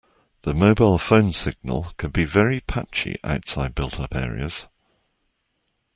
The mobile phone signal can be very patchy outside built-up areas